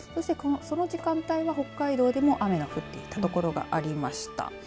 その時間帯は北海道でも雨が降っていた所がありました。